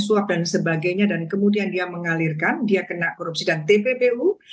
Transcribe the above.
suap dan sebagainya dan kemudian dia mengalirkan dia kena korupsi dan tppu